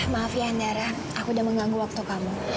maaf ya andara aku udah mengganggu waktu kamu